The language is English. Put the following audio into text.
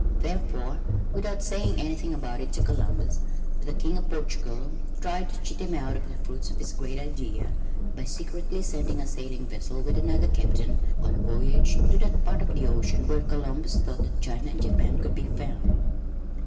Therefore, without saying anything about it to Columbus, the King of Portugal tried to cheat him out of the fruits of his great idea by secretly sending a sailing vessel with another captain on a voyage to that part of the ocean where Columbus thought that China and Japan could be found.